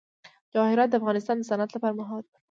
جواهرات د افغانستان د صنعت لپاره مواد برابروي.